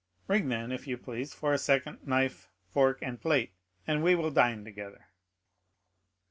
Ring, then, if you please, for a second knife, fork, and plate, and we will dine together."